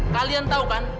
kalian tahu kan